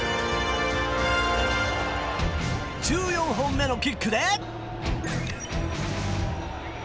１４本目のキックで。